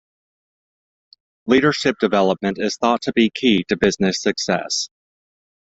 Leadership development is thought to be key to business success.